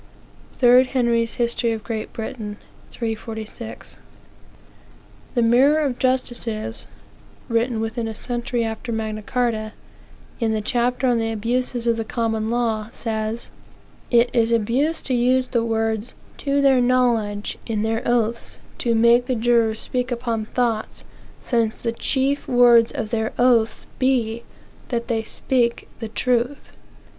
3 Henry's Hist. of Great Britain, 346. The Mirror of Justices, (written within a century after Magna Carta,) in the chapter on the abuses of the Common law, says:"It is abuse to use the words, to their knowledge, in their oaths, to make the jurors speak upon thoughts, since the chief words of their oaths be that they speak the truth."